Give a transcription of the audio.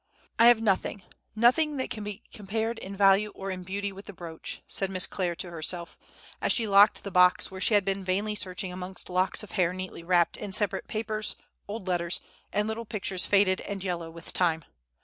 "I have nothing—nothing that can be compared in value or in beauty with the brooch," said Miss Clare to herself, as she locked the box where she had been vainly searching amongst locks of hair neatly wrapped in separate papers, old letters, and little pictures faded and yellow with time.